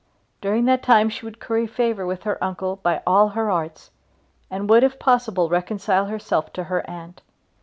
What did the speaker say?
During that time she would curry favour with her uncle by all her arts, and would if possible reconcile herself to her aunt.